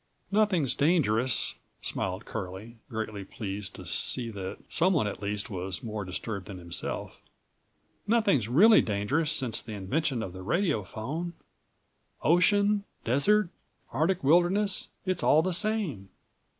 "162 "Nothing's dangerous," smiled Curlie, greatly pleased to see that someone at least was more disturbed than himself. "Nothing's really dangerous since the invention of the radiophone. Ocean, desert, Arctic wilderness; it's all the same.